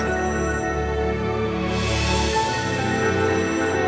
kita semua selamat ini